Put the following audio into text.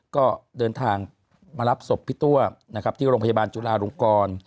ก็เดินทางมารับศพพี่ตัวนะครับที่โรงพยาบาลจุลาลงกร